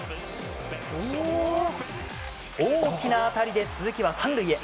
大きな当たりで鈴木は３塁へ。